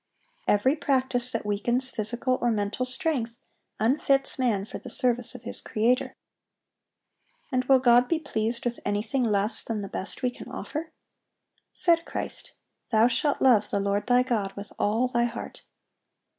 Every practice that weakens physical or mental strength unfits man for the service of his Creator. And will God be pleased with anything less than the best we can offer? Said Christ, "Thou shalt love the Lord thy God with all thy heart."